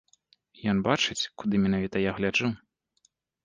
Ён бачыць, куды менавіта я гляджу.